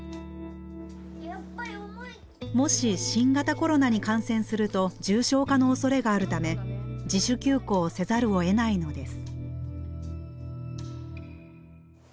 もし新型コロナに感染すると重症化のおそれがあるため自主休校せざるをえないのです。